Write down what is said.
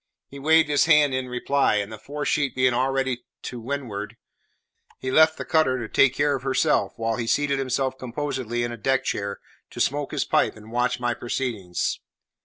He waved his hand in reply, and the fore sheet being already to windward, he left the cutter to take care of herself, while he seated himself composedly in a deck chair to smoke his pipe and watch my proceedings.